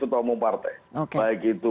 ketua umum partai baik itu